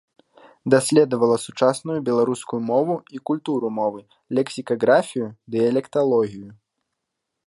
Даследавала сучасную беларускую мову і культуру мовы, лексікаграфію, дыялекталогію.